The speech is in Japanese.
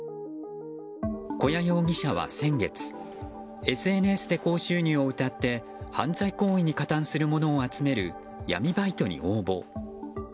古屋容疑者は先月ＳＮＳで高収入をうたって犯罪行為に加担するものを集める闇バイトに応募。